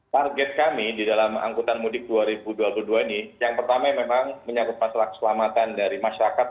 target kami di dalam angkutan mudik dua ribu dua puluh dua ini yang pertama memang menyangkut masalah keselamatan dari masyarakat